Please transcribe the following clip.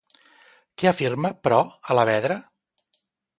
Què afirma, però, Alavedra?